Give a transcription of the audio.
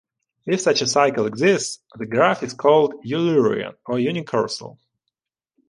If such a cycle exists, the graph is called Eulerian or unicursal.